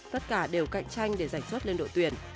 tất cả đều cạnh tranh để giành xuất lên đội tuyển